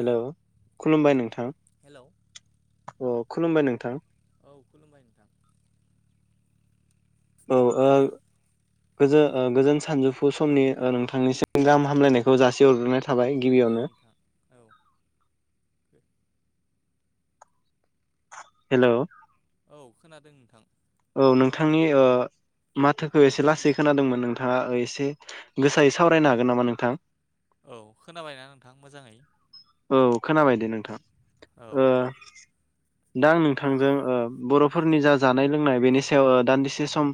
हेल' खुलुमबाय नोंथां। हेल' अ खुलुमबाय नोंथां। औ खुलुमबाय नोंथां। औ ओ गोजो ओ गोजोन सानजौफु समनि ओ नोंथांनिसिम गाहाम हामग्लायनायखौ जासिहरग्रोनाय था थाबाय औ गिबियावनो। नोंथां औ हेल' औ खोनादों नोंथां। औ नोंथांनि ओ माथोखौ एसे लासै खोनादोंमोन नोंथाङा ओ एसे गोसायै सावरायनो हागोन नामा नोंथां? औ खोनाबायना नोंथां मोजाङै? औ खोनाबाय दे नोंथां औ ओ दा आं नोंथांजों ओ बर'फोरनि जा जानाय लोंनाय बेनि सायाव दान्दिसे सम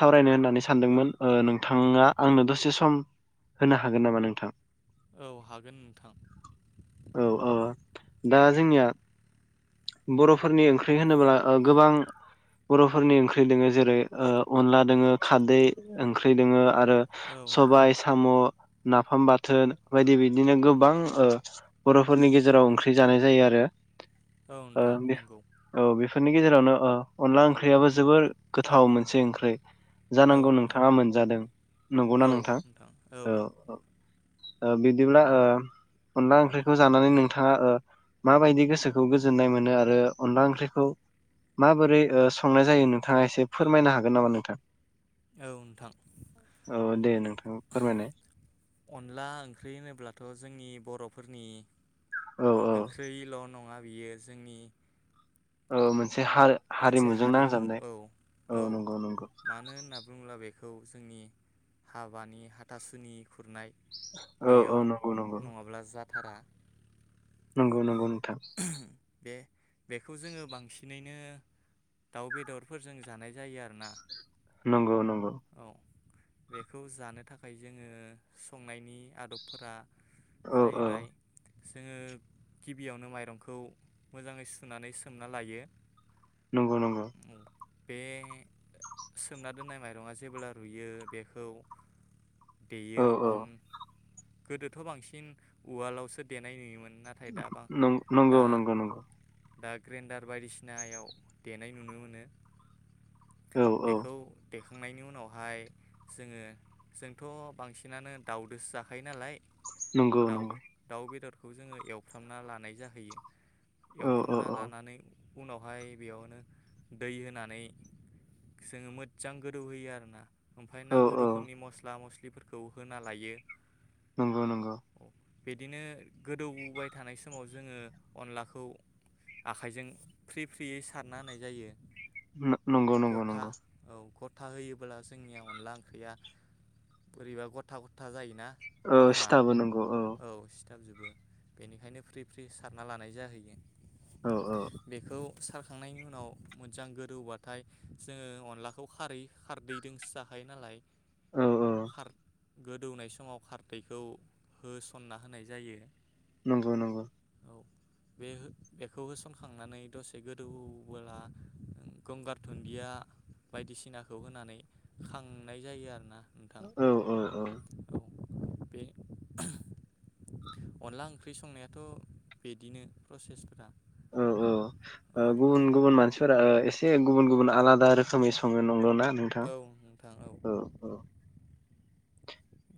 सावरायनो होननानै सानदोंमोन ओ नोंथाङा आंनो दसे सम होनो हागोन नामा नोंथां? औ हागोन नोंथां। औ औ दा जोंनिया बर'फोरनि ओंख्रि होनोब्ला ओ गोबां बर'फोरनि ओंख्रि दोङो जेरै अनला दोङो खारदै ओंख्रि दोङो। आरो औ नोंथां सबाइ साम'। नाफाम बाथोन बायदि बिदिनो गोबां ओ बर'फोरनि गेजेराव ओंख्रि जानाय जायो आरो। औ ओ नोंथां बेफ नंगौ औ बेफ फोरनि गेजेरावनो ओ अनला ओंख्रियाबो जोबोर गोथाव मोनसे ओंख्रि। औ जानांगौ नोंथां नोंथाङा मोनजादों नंगौना नोंथां औ औ। ओ बिदिब्ला ओ अनला ओंख्रि खौ जानानै नोंथाङा ओ माबायदि गोसोखौ गोजोननाय मोनो आरो अनला ओंख्रिखौ माबोरै ओ संनाय जायो नोंथाङा एसे फोरमायनो हागोन नामा नोंथां? औ नोंथां औ दे नोंथां फोरमायनाय अनला ओंख्रि होनोब्लाथ' जोंनि बर'फोरनि औ औ ओंख्रिल' नङा बियो जोंनि औ मोन एसे हा मोनसे हारिमुजों हारिमु नांजाबनाय औ औ नंगौ नंगौ खौ जोंनि हाबानि हाथासुनि खुरनाय औ औ नंगौ नंगौ। थारा नंगौ नंगौ नोंथां बे बेखौ जोङो बांसिनैनो दाउ बेदरफोरजों जानाय जायो आरोना नंगौ नंगौ। औ बेखौ जानो थाखाय जोङो संनायनि आदबफोरा औ औ जाहैबाय जोङो गिबियावनो माइरंखौ मोजाङै सुनानै सोमना लायो। नंगौ नंगौ बे सोमना दोननाय माइरङा जेब्ला रुयो बेखौ औ बेयो औ अन गोदोथ' बांसिन उवालावसो देनाय नुयोमोन नाथाय दा नं नंगौ दा नंगौ नंगौ दा ग्रेन्डार बायदिसिनायाव देनाय नुनो मोनो। औ औ बेखौ देखा नायनि उनावहाय जोङो जोंथ बांसिनानो दाउदोसो जाखायो नालाय नंगौ दाउ नंगौ दाउ बेदर खौ जोङो एवफ्रामना लानाय जाहैयो औ औ एवफ्रामना औ लानानै उनावहाय बेयाव नो दै होनानै जोङो मोजां गोदौहोयो आरो ना ओमफाय औ नांगौ औ रोखोमनि मस्ला मस लिफोरखौ होना लायो। नंगौ नंगौ। बिदिनो गोदौबाय थानाय समाव जोङो अनलाखौ आखाइजों फ्रि फ्रियै सारना होनाय जायो। नंगौ नंगौ नंगौ था होयोबोला जोंनिया अनला ओंख्रिया बोरैबा गथा गथा जायोना औ सिथाबो नंगौ औ। बजोबो बेनिखायनो फ्रि फ्रि सारना लानाय जाहैयो। औ औ बेखौ सार खांनायनि उनाव मोजां गोदौबाथाय जोङो अनलाखौ खारै खारदैदोंसो जाखायो नालाय औ औ खार गोदौनाय समाव खारदैखौ होसनना होनाय जायो। नंगौ नंगौ। खौ बे हो बेखौ होसनखांनानै दसे गो दौबोला गंगार धुन्दिया बायदिसिनाखौ होनानै खांनाय जायो आरो ना? औ औ औ। बे अनला ओंख्रि संनायाथ बिदिनो प्रसेसफोरा। औ औ। ओ औ गुबुन गुबुन मानसिफोरा ओ एसे एसे गुबुन गुबुन आलादा रोखोमै सङो नंगौ ना? नोंथां औ नोंथां औ औ।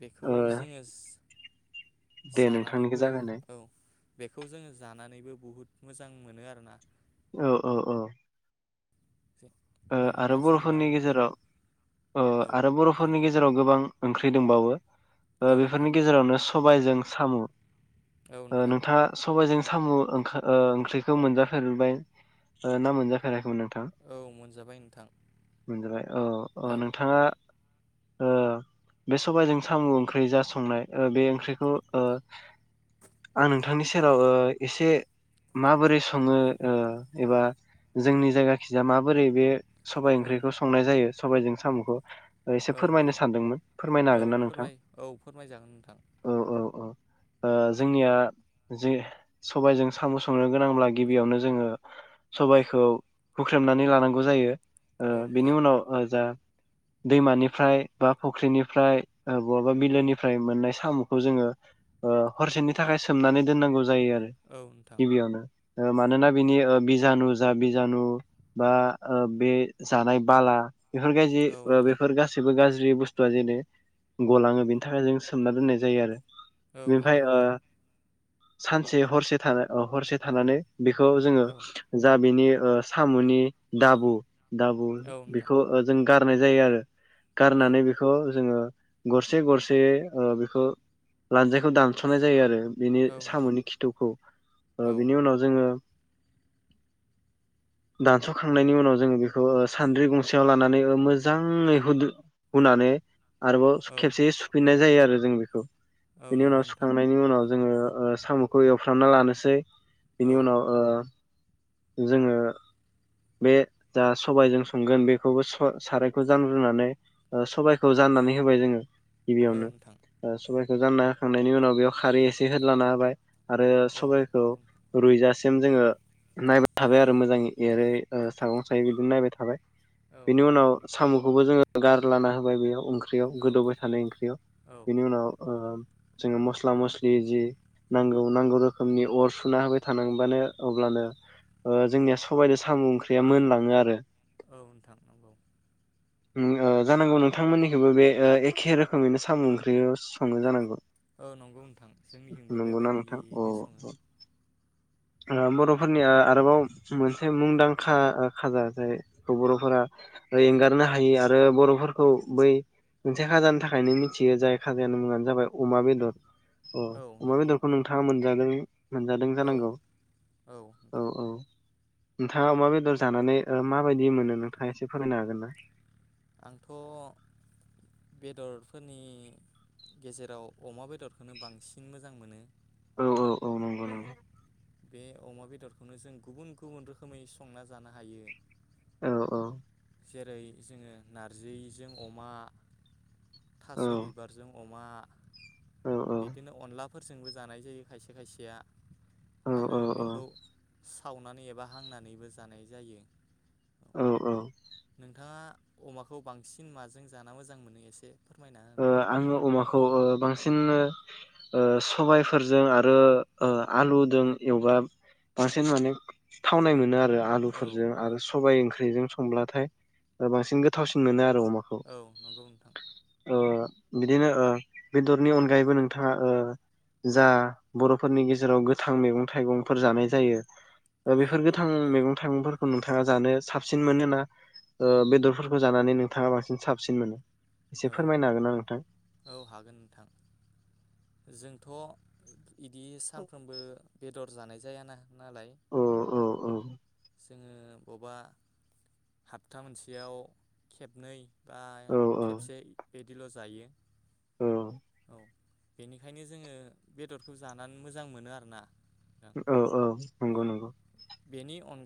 बेखौ ओ जोङोस [inaudible] दे नोंथांनिखो जागायनाय। औ बेखौ जोङो जानानैबो बुहुद मोजां मोनो आरोना। औ औ औ। ओ आरो अनलाजों बर'फोरनि दाउ होनो गेजेराव औ आरो ओ नोंथां बर'फोरनि गेजेराव गोबां ओंख्रि दंबावो। औ नोंथां बेफोरनि गेजेरावनो सबायजों सामु। औ ओ नोंथां नोंथाङा सबाइजों सामु ओंखा ओंख्रिखौ मोनजाफेरबाय ना मोनजाफेराखैमोन नों? नोंथां। जाबाय नोंथां। मोनजाबाय। औ अ औ नोंथाङा ओ बे सबायजों सामु ओंख्रि जा संनाय ओ बे ओंख्रिखौ ओ आं नोंथांनि सेराव ओ एसे माबोरै सङो ओ एबा जोंनि जायगा खिजा माब बोरै बे सबाइ औ ओंख्रिखौ संनाय जायो। सबायजों सामुखौ। एसे औ फोरमायनो नोंथां सानदोंमोन फोरमायनो औ हागोन ना नोंथां? फोरमाय औ फोरमायजागोन नोंथां औ औ औ। ओ जोंनिया जे सबाइजों सामु संनो गोनांब्ला गिबियावनो जोङो सबाइखौ हुख्रेमनानै ला नांगौ जायो। ओ औ बिनि नोंथां उनाव ओ जा दैमानिफ्राय बा फुख्रिनिफ्राय ओ बहाबा बिलोनिफ्राय मोननाय सामुखौ जोङो ओ हरसेनि थाखाय सोमनानै दोन्नांगौ जायो आरो औ नोंथां गिबियावनो ओ मानोना बिनि ओ बिजानु जा बिजानु बा ओ बे जानाय बाला बेफोर गाज्रि औ ओ नोंथां बेफोर गासिबो गा ज्रि बुस्थुआ जेरै गलाङो बेनि थाखाय जों सोमना दोननाय जायो आरो। औ बेनिफ्राय नंगौ ओ नोंथां। सानसे हरसे थानो अ हरसे थानानै बेखौ जोङो औ जा बिनि ओ सामुनि दाबु दाबु औ नोंथां बेखौ ओ जों गारनाय जायो आरो औ गारनानै बेखौ जोङो। गरसे गरसेयै ओ बेखौ लानजायखौ दानस'नाय जायो आरो। बेनि औ नोंथां साम'नि खिथौखौ ओ औ बिनि उनाव जोङो दानस' खांनायनि उनाव जोङो बेखौ सानद्रि गंसेयाव लानानै मोजाङै हुद हुनानै आरोबाव औ खेबसे सुफिननाय जायो आरो जों बेखौ औ बेनि उनाव नंगौ नोंथां सुखांनायनि उनाव जोङो ओ साम'खौ एवफ्रामना लानोसै। औ बिनि उनाव ओ जोङो बे जा सबायजों संगोन बेखौबो सा -सारायखौ जांग्रोनानै ओ सबायखौ जाननानै होबाय जोङो औ गिबियावनो नोंथां ओ सबाय खौ जानना होखांनायनि उनाव बेयाव खारै एसे होदलाना होबाय। आरो औ सबाइखौ नंगौ रुइजासिम जोङो नायबाय थाबाय आरो मोजां एरै ओ सागं सायो बिदिनो नायबाय थाबाय। औ बेनि उनाव नंगौ साम'खौबो जोङो गार लाना होबाय बेयाव ओं ख्रियाव औ गोदौबाय थानाय ओंख्रियाव। औ बिनि उनाव ओ जोङो मस्ला मस्लि जि नांगौ नांगौ रोखोमनि अर सुना होबाय थानांबानो अब्लानो ओ जोंनिया सबाइदो साम' ओं ख्रिया मोनलाङो आरो औ नोंथां नंगौ। उम ओ जानांगौ नोंथांमोननिखोबो बे ओ एखे रोखोमैनो साम' ओंख्रिखो सङो जानांगो। औ नंगौ नोंथां जोंनिथिंबो नंगौ ना नोंथां औ बेबायदियैनो सङो ओ बर'फोरनि आरोबाव मोनसे मुंदां खा खाजा जायखौ बर'फोरा एंगारनो हायि आरो बर'फोरखौ बै मोनसे खाजानि थाखायनो मिथियो जाय खाजानि मुङानो जाबाय अमा बेदर। ओ औ अमा नंगौ बेदरखौ नोंथां नोंथाङा मोनजादों मोनजादों औ जानांगौ औ औ। [unintelligible] नोंथाङा अमा बेदर जानानै ओ माबायदि मोनो नोंथाङा एसे फोरमायनो हागोन ना? आंथ' बेदरफोरनि गेजेराव अमा बेदरखौनो बांसिन मोजां मोनो औ औ औ नंगौ औ नंगौ बे अमा बेदरखौनो जों गुबुन गुबुन रोखोमै संना जानो हायो। औ औ। जेरै जोङो नारजिजों अमा। थास' बिबारजों अ मा औ औ बिदिनो अनला फोरजोंबो जानाय जायो खायसे खायसेया। आरो औ औ बेखौ खावनानै एबा हांनानैबो जानाय जायो। औ औ। नोंथाङा अमाखौ बांसिन माजों जाना मोजां मोनो एसे फोरमायना ओ होनो हागोन आङो ना अमाखौ ओ बांसिन ओ सबायफोरजों आरो ओ आलुदों एवबा बांसिन माने थावनाय मोनो आ ओ औ आलुफोरजों आरो नोंथां सबाइ ओंख्रिजों संब्लाथाय बांसिन गोथावसिन मोनो आरो। अमाखौ औ नंगौ नोंथां। ओ बिदिनो ओ बेदरनि अनगायैबो नोंथाङा ओ जा बर'फोरनि गेजेराव गोथां मैगं थाइगंफोर जानाय जायो। ओ औ बेफोर गोथां नंगौ नोंथां मैगं थाइगंफोर नोंथाङा जानो साबसिन मोनो ना ओ बेदरफोरखौ जानानै नोंथाङा बांसिन साबसिन मोनो? एसे औ फोरमायनो हागोन ना नोंथां? औ हागोन नोंथां जों थ' इदि सानफ्रोमबो बेद दर जानाय जायाना। नालाय औ औ जोङो बबेबा हाबथा मोनसेयाव खेबनै बाय औ बिदिल' जायो। औ औ बेनिखायनो जोङो बेदर जानानै मोजां मोनो आरोना। नोंथां औ औ नंगौ नंगौ।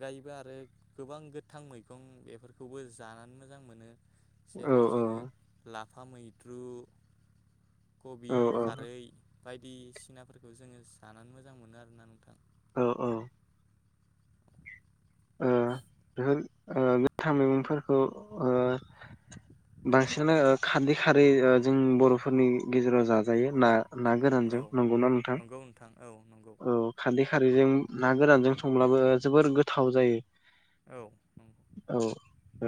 गायबो आरो गोबां गोथां मैगं बेफोरखौबो जानानै मोजां मोनो। जेरै औ औ। जोङो लाफा मैद्रु। औ कबि खारै। बायदिसिनाफोरखौ जोङो जानानै मोजां मोनो आरोना नोंथां। औ औ। ओ बेफोर ओ गोथां मैगंफोरखौ ओ बांसिनो खारदै खारै ओ जों बर'फोरनि गेजेराव जाजायो ना? ना औ गोरानजों नंगौनाा नोंथां नंगौ नोंथां औ नंगौ औ खारदै खारैजों ना गोरानजों संब्लाबो जोबोर गोथ थाव जायो। औ नंगौ औ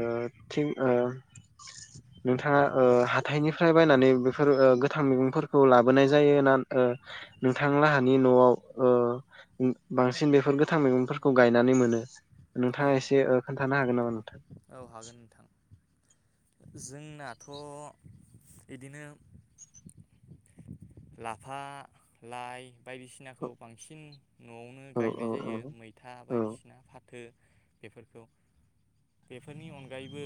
ओ थि ओ नोंथाङा ओ हाथायनिफ्राय बायनानै बेफोर ओ गोथां मैगंफोरखौ लाबोनाय जायो ना ओ नोंथां लाहानि नआव बांसिन बेफोर गोथां मैगंफोरखौ गायनानै मोनो। [inaudible] औ नोंथाङा एसे ओ खोनथ थानो हागोन नामा? औ हागोन नोंथां। जोंनाथ इदिनो लाफा लाइ। औ बायदिसिनाखौ बांसिन नआवनो औ औ गायनाय औ जायो मैथा औ बायदिसिना फाथो। बेफोरखौ बेफोरनि अनगायैबो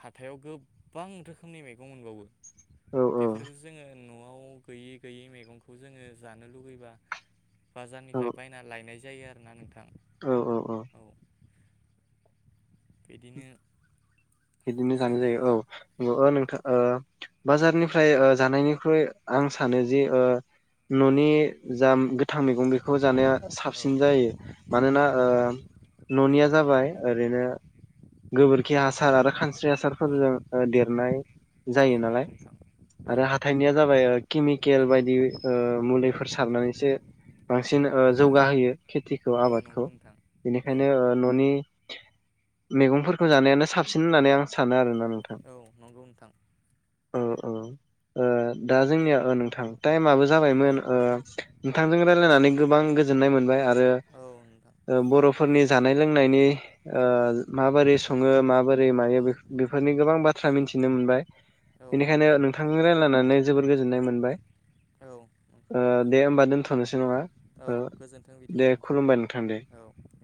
हाथायावबो गोबां रोखोमनि मैगं मोनबावो। बेफोरफोरखो जोङो। नआव गैयै गैयै मैगंखौ जोङो जानो लुुबैबा औ बाजारनिफ्राय बायना लायनाय जायो आरोना नोंथां। औ औ औ। बिदिनो बिदिनो जानाय जोङो जायो औ नगौ नों ओ बाजारनिफ्राय ओ जानायनिख्रुइ आं सानो जे ओ न नि जा गोथां मैगं बेखौ जानो औ साबसिन जायो मानोना ओ ननिआ औ जाबाय नंगौ ओरैनो गोबोरखि हास सार आरो स्रि औ हासारफोरजों देरनाय औ जायो नालाय नंगौ नोंथां औ आरो हाथाइनिया जाबाय केमिकेल बायद बि ओ मुलिफोर सारनानैसो बांसिन ओ जौगाहोयो। खेथिखौ औ आबादखौ नंगौ नोंथां औ बेनिखायनो ओ न'नि मैगंफोरखौ जानायानो साबसि न होननानै आं सानो आरोना। औ नंगौ नोंथां। ओ ओ ओ दा जोंनिया ओ नोंथां टाइम आबो औ जाबायमोन ओ नोंथांजों रायलायनानै गोबां गोजोननाय मोनबाय आ रो औ नोंथां ओ बर'फोरनि जानाय लोंनायनि ओ माबोरै सङो माबो रै मायो बेफो बेफोरनि गोबां बाथ्रा मिथिनो मोनबाय। औ बेनिखायनो नंगौ नोंथां नोंथांजों रायलायनानै जोबोर गोजोननाय मोनबाय। औ ओ नंगौ दे नोंथां होमबा दोन्थ'नोसै नङा औ ओ गोजोन्थों बिदिबा दे खुलुमबाय नोंथां दे। औ